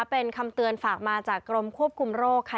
เป็นคำเตือนฝากมาจากกรมควบคุมโรคค่ะ